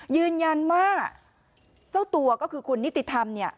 ยืนยันว่าเจ้าตัวก็คือคุณนิติธรรมเนี่ย